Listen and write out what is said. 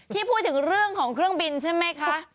พูดถึงเรื่องของเครื่องบินใช่ไหมคะ